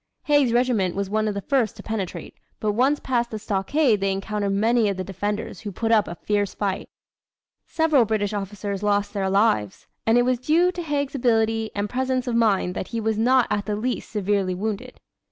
Haig's regiment was one of the first to penetrate, but once past the stockade they encountered many of the defenders who put up a fierce fight. Several British officers lost their lives, and it was due to Haig's agility and presence of mind that he was not at the least severely wounded.